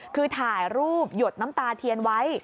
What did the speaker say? คือถ่ายรูปหยดน้ำตาเทียนไว้